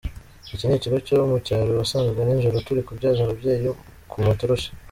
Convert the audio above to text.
Iki ni ikigo cyo mu cyaro wasangaga nijoro turi kubyaza ababyeyi ku matoroshi.